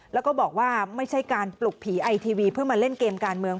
แล้วก็บอกว่าไม่ใช่การปลุกผีไอทีวีเพื่อมาเล่นเกมการเมือง